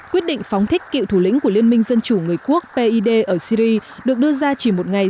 quyết định phóng thích cựu thủ lĩnh của liên minh dân chủ người quốc pid ở syri được đưa ra chỉ một ngày